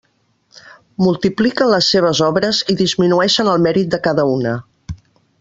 Multipliquen les seves obres i disminueixen el mèrit de cada una.